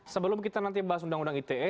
sebelum kita nanti bahas undang undang ite